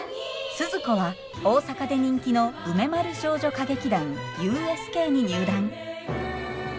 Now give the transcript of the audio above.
スズ子は大阪で人気の梅丸少女歌劇団ＵＳＫに入団。